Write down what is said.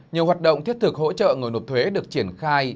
nhiều hoạt động thiết thực hỗ trợ người nộp thuế được triển khai